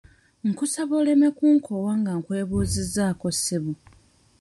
Nkusaba oleme kunkoowa nga nkwebuuzizzaako ssebo.